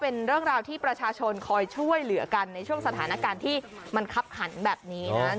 เป็นเรื่องราวที่ประชาชนคอยช่วยเหลือกันในช่วงสถานการณ์ที่มันคับหันแบบนี้นะ